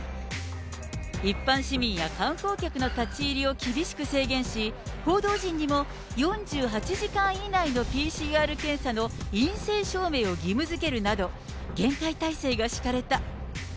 一般市民や観光客の立ち入りを厳しく制限し、報道陣にも４８時間以内のＰＣＲ検査の陰性証明を義務づけるなど、厳戒態勢が敷かれた。